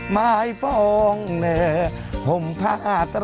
ไม้ปลองเหนือผมพาไตร